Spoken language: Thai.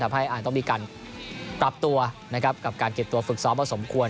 ทำให้อ่านต้องมีการกลับตัวกับการเก็บตัือฝึกซ้อมมาสมควร